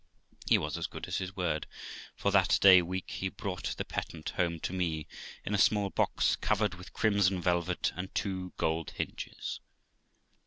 He was as good as his word, for that day week he brought the patent home to me, in a small box covered with crimson velvet and two gold hinges.